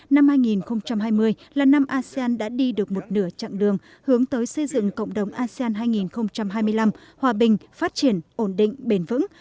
năm hai nghìn hai mươi là năm asean đã đi được một nửa chặng đường hướng tới xây dựng cộng đồng asean hai nghìn hai mươi năm hòa bình phát triển ổn định bền vững